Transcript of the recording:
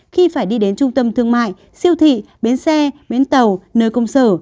khi phải đi đến trung tâm thương mại siêu thị bến xe bến tàu nơi công sở